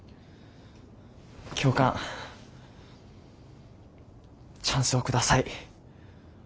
教官チャンスを下さい。